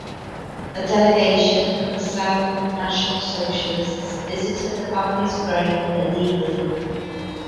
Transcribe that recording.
A delegation of Passau National Socialists visited the family's grave illegally.